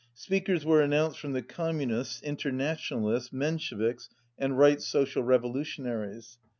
Speakers were an nounced from the Communists, Internationalists, Mensheviks, and Right Social Revolutionaries.